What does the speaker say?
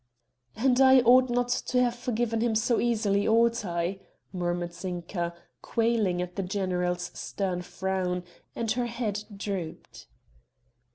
"And I ought not to have forgiven him so easily ought I?" murmured Zinka, quailing at the general's stern frown, and her head drooped.